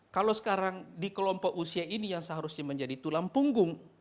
kalau sekarang di kelompok usia ini yang seharusnya menjadi tulang punggung